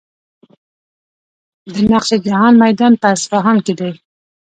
د نقش جهان میدان په اصفهان کې دی.